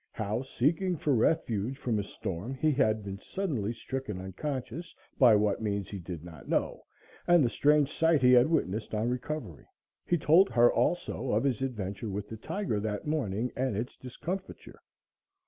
How, seeking for refuge from a storm, he had been suddenly stricken unconscious, by what means he did not know; and the strange sight he had witnessed on recovery. He told her, also, of his adventure with the tiger that morning and its discomfiture.